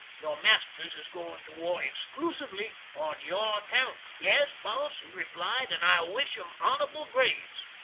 Your masters is goin to war excloosively on your account." "Yes, boss," he replied, "an' I wish 'em honorable graves!"